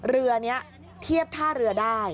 เรือนี้เทียบท่าเรือได้